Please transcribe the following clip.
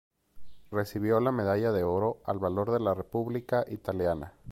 Recibió la medalla de oro al valor de la República italiana.